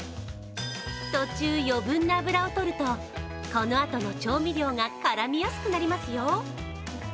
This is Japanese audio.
途中、余分な油をとると、このあとの調味料が絡みやすくなりますよ。